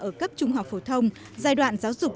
ở cấp trung học phổ thông giai đoạn giáo dục